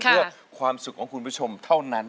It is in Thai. เพื่อความสุขของคุณผู้ชมเท่านั้น